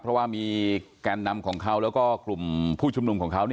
เพราะว่ามีแกนนำของเขาแล้วก็กลุ่มผู้ชุมนุมของเขา